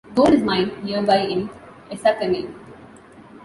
Gold is mined nearby in Essakane.